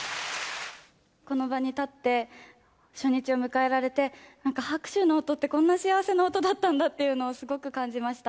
この場に立って初日を迎えられて、なんか拍手の音ってこんな幸せな音だったんだって、すごく感じました。